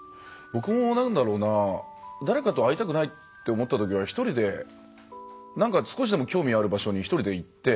僕もなんだろうな誰かと会いたくないって思ったときは一人でなんか少しでも興味ある場所に一人で行って。